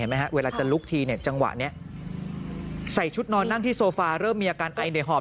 เหมือนจะลุกทีจังหวะนี้ใส่ชุดนอนนั่งที่โซฟาเริ่มมีอาการไอเหนื่อยหอบ